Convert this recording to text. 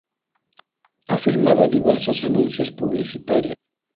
Ha filmado diversos anuncios publicitarios.